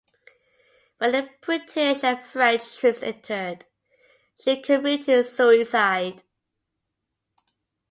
When the British and French troops entered, she committed suicide.